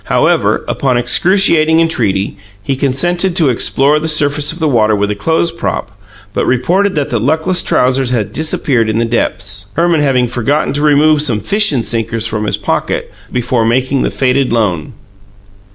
However, upon excruciating entreaty, he consented to explore the surface of the water with a clothes prop, but reported that the luckless trousers had disappeared in the depths, Herman having forgotten to remove some "fishin' sinkers" from his pockets before making the fated loan.